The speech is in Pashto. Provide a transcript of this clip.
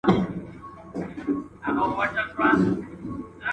¬ پردى غوښه په ځان پوري نه مښلي.